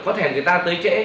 có thể người ta tới trễ